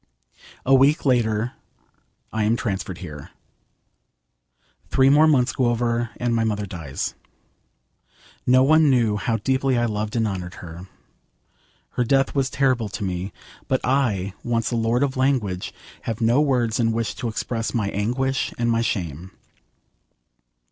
... A week later, I am transferred here. Three more months go over and my mother dies. No one knew how deeply I loved and honoured her. Her death was terrible to me; but I, once a lord of language, have no words in which to express my anguish and my shame.